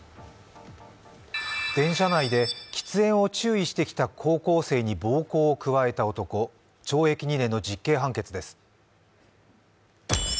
電車内で喫煙を注意してきた高校生に暴行を加えた男、懲役２年の実刑判決です。